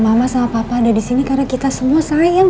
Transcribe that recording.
mama sama papa ada disini karena kita semua sayang